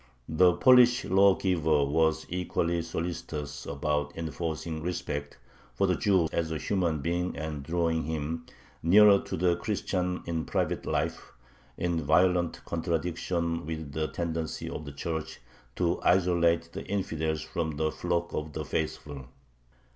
The Polish lawgiver was equally solicitous about enforcing respect for the Jew as a human being and drawing him nearer to the Christian in private life, in violent contradiction with the tendency of the Church to isolate the infidels from the "flock of the faithful."